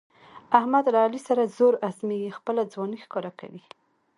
احمد له علي سره زور ازمیي، خپله ځواني ښکاره کوي.